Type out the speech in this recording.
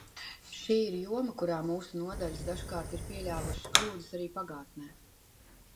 Šī ir joma, kurā mūsu nodaļas dažkārt ir pieļāvušas kļūdas arī pagātnē.